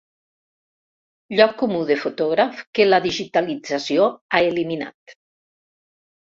Lloc comú de fotògraf que la digitalització ha eliminat.